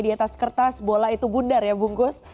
di atas kertas bola itu bundar ya bungkus